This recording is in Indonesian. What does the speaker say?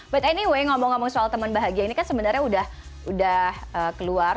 but anyway ngomong ngomong soal teman bahagia ini kan sebenarnya udah keluar